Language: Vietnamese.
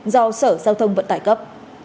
do sở giao thông vận tải cấp